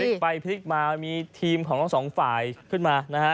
ตอนนี้ไปพลิกมายอมมีทีมของสองฝ่ายขึ้นมา